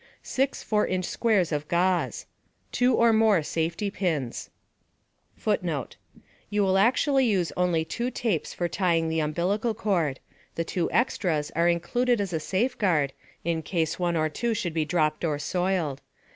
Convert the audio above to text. Six 4 inch squares of gauze. Two or more safety pins. You will actually use only two tapes for tying the umbilical cord. The two extras are included as a safeguard in case one or two should be dropped or soiled.